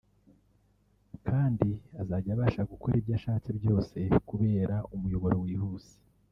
kandi azajya abasha gukora ibyo ashatse byose kubera umuyoboro wihuse